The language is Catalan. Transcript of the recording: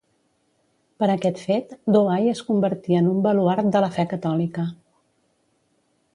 Per aquest fet Douai es convertí en un baluard de la fe catòlica.